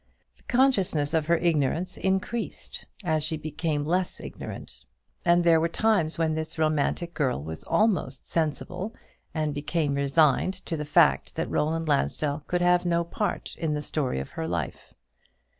The consciousness of her ignorance increased as she became less ignorant; and there were times when this romantic girl was almost sensible, and became resigned to the fact that Roland Lansdell could have no part in the story of her life.